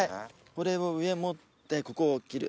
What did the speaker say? これを上持ってここを切る。